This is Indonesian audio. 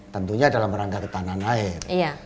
tentunya dalam rangka ketahanan air